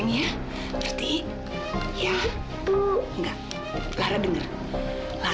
makanya lara nurut ya